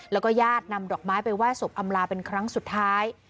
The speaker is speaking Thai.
แล้วก็ญาตินำดอกไม้ไปไหว้ศพอำลาเป็นครั้งสุดท้าย